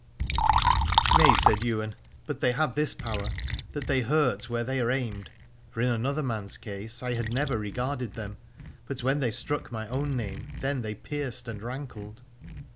Nay, said Ywain, but they have this power, that they hurt where they are aimed: for in another man's case I had never regarded them, but when they struck my own name then they pierced and rankled.